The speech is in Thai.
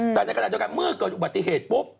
แต่ในขณะเดียวกันเมื่อเกิดอุบัติเหตุปุ๊บ